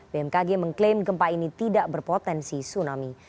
bmkg mengklaim gempa ini tidak berpotensi tsunami